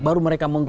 baru mereka mengkata